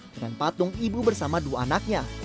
dengan patung ibu bersama dua anaknya